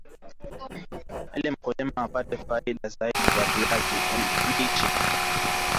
Ili mkulima apate faida zaidi ya viazi lishe